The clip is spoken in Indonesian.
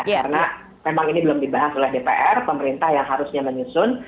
karena memang ini belum dibahas oleh dpr pemerintah yang harusnya menyusun